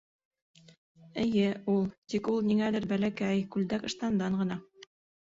Эйе, ул. Тик ул ниңәлер бәләкәй, күлдәк-ыштандан ғына.